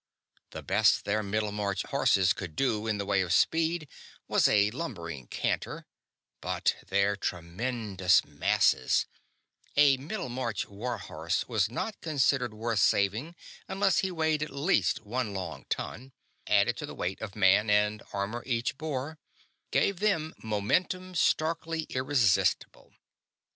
The best their Middlemarch horses could do in the way of speed was a lumbering canter, but their tremendous masses a Middlemarch warhorse was not considered worth saving unless he weighed at least one long ton added to the weight of man and armor each bore, gave them momentum starkly irresistible.